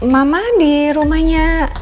mama di rumahnya